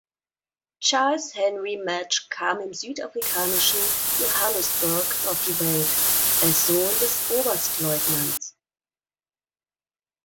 Charles Henry Madge kam im südafrikanischen Johannesburg auf die Welt – als Sohn des Oberstleutnants.